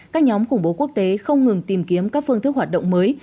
các nhóm khủng bố quốc tế không ngừng tìm kiếm các phương thức hoạt động mới